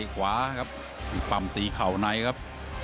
ขวาครับอีกปัมตีเข่าในครับ